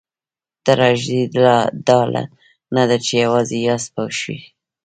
تراژیدي دا نه ده چې یوازې یاست پوه شوې!.